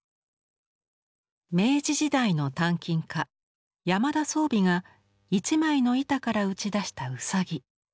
明治時代の鍛金家山田宗美が一枚の板から打ち出したウサギ。